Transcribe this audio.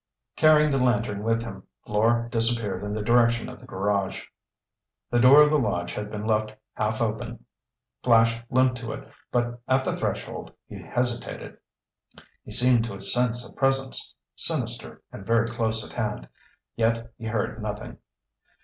Carrying the lantern with him, Fleur disappeared in the direction of the garage. The door of the lodge had been left half open. Flash limped to it, but at the threshold he hesitated. He seemed to sense a presence—sinister and very close at hand. Yet he heard nothing.